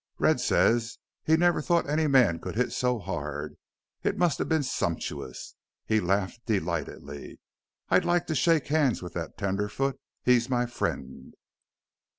Red says he never thought any man could hit so hard. It must have been sumptuous!" He laughed delightedly. "I'd like to shake hands with that tenderfoot he's my friend!"